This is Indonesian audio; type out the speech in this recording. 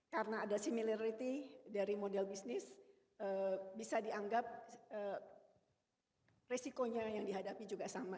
karena ada similarity dari model bisnis bisa dianggap resikonya yang dihadapi juga sama